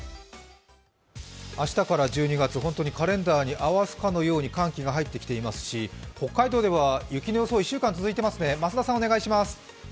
明日から１２月、本当にカレンダーに合わせるかのように寒気が入ってきていますし、北海道では雪の予想が１週間続いていますね。